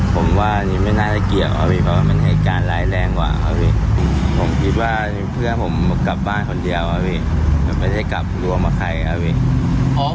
ผมว่านี่ไม่น่าจะเกี่ยวอ่ะวิคว่ามันเหตุการณ์ร้ายแรงกว่าอ่ะวิคผมคิดว่าเพื่อนผมกลับบ้านคนเดียวอ่ะวิคไม่ได้กลับรวมกับใครอ่ะวิค